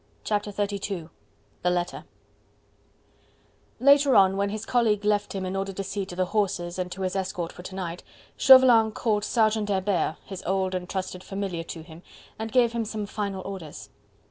Chapter XXXII: The Letter Later on, when his colleague left him in order to see to the horses and to his escort for to night, Chauvelin called Sergeant Hebert, his old and trusted familiar, to him and gave him some final orders.